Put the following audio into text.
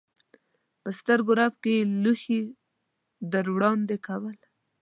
په سترګو رپ کې یې لوښي در وړاندې کول.